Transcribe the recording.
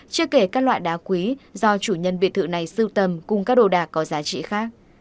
chưa kể các loại đá quý do chủ nhân biệt thự này sưu tầm cùng các đồ đạc có giá trị khác